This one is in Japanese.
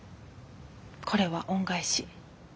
これは恩返し。